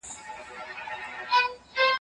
زه به سبا مېوې وچوم وم،